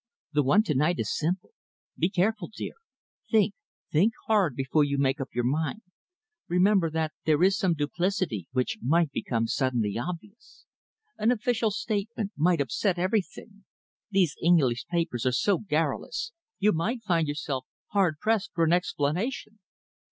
The one to night is simple. Be careful, dear. Think think hard before you make up your mind. Remember that there is some duplicity which might become suddenly obvious. An official statement might upset everything. These English papers are so garrulous. You might find yourself hard pressed for an explanation."